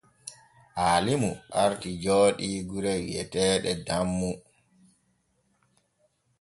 Aalimu arti jooɗii gannuure wi’eteene Dammu.